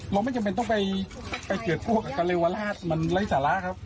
เราไม่จำเป็นต้องไปเกือบกลัวกับกะเลวราชมันไร้สาระครับ